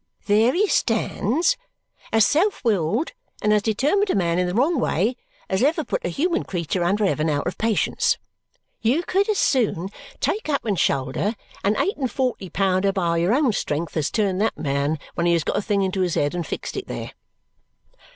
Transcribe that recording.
"There he stands! As self willed and as determined a man, in the wrong way, as ever put a human creature under heaven out of patience! You could as soon take up and shoulder an eight and forty pounder by your own strength as turn that man when he has got a thing into his head and fixed it there.